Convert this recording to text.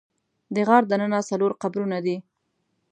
د غار دننه څلور قبرونه دي.